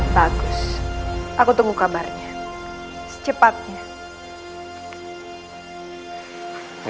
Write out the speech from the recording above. bagus aku tunggu kabarnya secepatnya